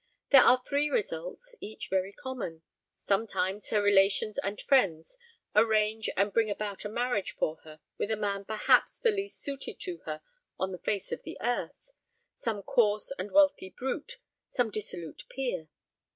There are three results, each very common. Sometimes her relations and friends arrange and bring about a marriage for her with a man perhaps the least suited to her on the face of the earth; some coarse and wealthy brute; some dissolute peer.